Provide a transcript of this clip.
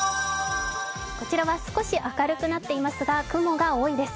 こちらは少し明るくなっていますが雲が多いです。